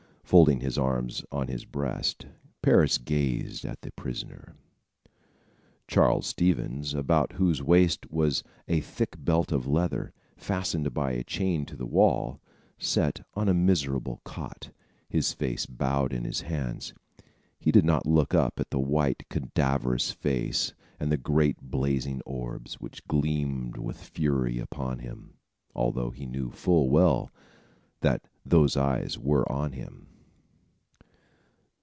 Folding his arms on his breast, Parris gazed on the prisoner. Charles Stevens, about whose waist was a thick belt of leather, fastened by a chain to the wall, sat on a miserable cot, his face bowed in his hands. He did not look up at the white, cadaverous face and great, blazing orbs, which gleamed with fury upon him, although he knew full well that those eyes were on him.